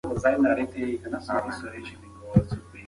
د ټولنپوهنه موږ ته د تاریخي شواهدو د یوې لارې په توګه خدمت کوي.